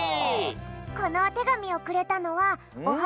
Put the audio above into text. このおてがみをくれたのは「オハ！